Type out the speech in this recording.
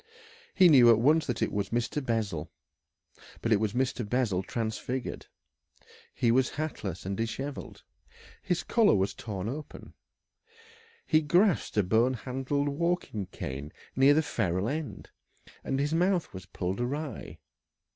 He knew at once that it was Mr. Bessel. But it was Mr. Bessel transfigured. He was hatless and dishevelled, his collar was torn open, he grasped a bone handled walking cane near the ferrule end, and his mouth was pulled awry.